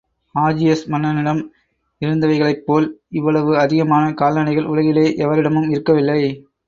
Augeas மன்னனிடம் இருந்தவைகளைப்போல் அவ்வளவு அதிகமான கால்நடைகள் உலகிலே எவரிடமும் இருக்கவில்லை.